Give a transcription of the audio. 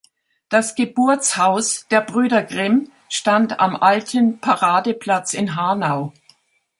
Das Geburtshaus der Brüder Grimm stand am alten Paradeplatz in Hanau.